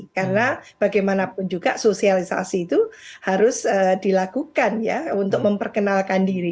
karena bagaimanapun juga sosialisasi itu harus dilakukan ya untuk memperkenalkan diri